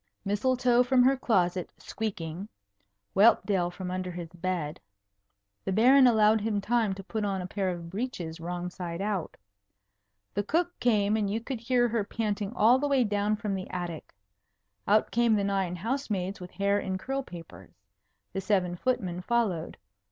Mistletoe from her closet, squeaking. Whelpdale from under his bed. The Baron allowed him time to put on a pair of breeches wrong side out. The cook came, and you could hear her panting all the way down from the attic. Out came the nine house maids with hair in curl papers. The seven footmen followed.